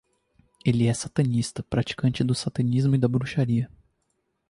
Ela é satanista, praticante do satanismo e da bruxaria